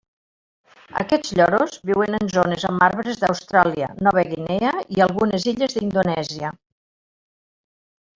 Aquests lloros viuen en zones amb arbres d'Austràlia, Nova Guinea i algunes illes d'Indonèsia.